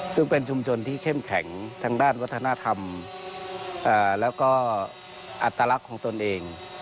ซึ่งเป็นชุมชนที่เข้มแข็งทางด้านวัฒนธรรมแล้วก็อัตลักษณ์ของตนเอง